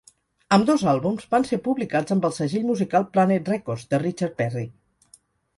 Ambdós àlbums van ser publicats amb el segell musical Planet Records de Richard Perry.